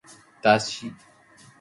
だし